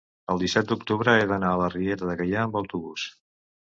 el disset d'octubre he d'anar a la Riera de Gaià amb autobús.